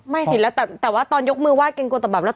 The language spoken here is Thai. มั้ยสินะแต่ว่าตอนยกมือไหว้เกรงกดบาปและ